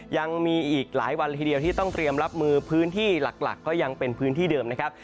ยังมีอีกหลายวันละทีเดียวที่ต้องเตรียมรับมือพื้นที่หลักก็ยังเป็นพื้นที่เดิมนะครับ